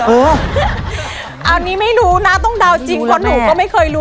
เอ้าเหรอ